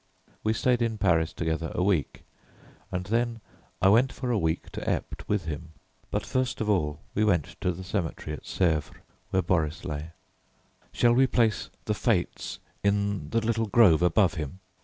We stayed in Paris together a week, and then I went for a week to Ept with him, but first of all we went to the cemetery at Sèvres, where Boris lay. "Shall we place the 'Fates' in the little grove above him?"